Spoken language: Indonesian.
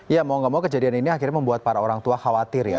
ya mau gak mau kejadian ini akhirnya membuat para orang tua khawatir ya